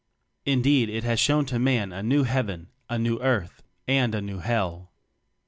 Indeed it has shown to man a new Heaven, a new Earth, and a new Hell.